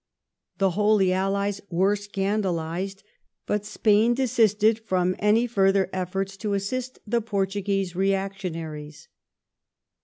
The Holy Allies were scandalized, but Spain desisted from any further efforts to assist the Portuguese reactionaries.